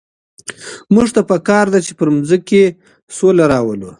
موږ ته په کار ده چي پر مځکي سوله راولو.